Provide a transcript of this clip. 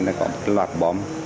nó có một loạt bom